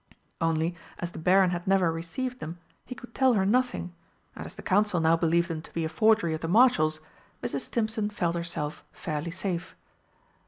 Only, as the Baron had never received them, he could tell her nothing, and as the Council now believed them to be a forgery of the Marshal's, Mrs. Stimpson felt herself fairly safe.